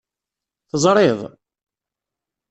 Teẓriḍ?